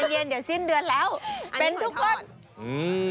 เย็นเดี๋ยวสิ้นเดือนแล้วเป็นทุกวันอืม